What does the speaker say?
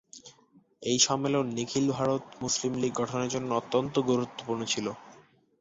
এই সম্মেলন নিখিল ভারত মুসলিম লীগ গঠনের জন্য অত্যন্ত গুরুত্বপূর্ণ ছিল।